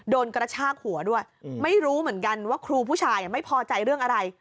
กระชากหัวด้วยไม่รู้เหมือนกันว่าครูผู้ชายไม่พอใจเรื่องอะไร